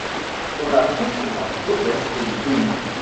On la trouve sur la côte est du pays.